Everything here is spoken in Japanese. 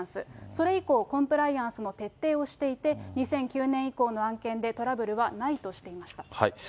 それ以降、コンプライアンスの徹底をしていて、２００９年以降の案件でトラブルはないとしていました。